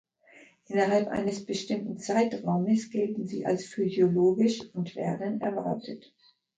Innerhalb eines bestimmten Zeitraumes gelten sie als physiologisch und werden erwartet.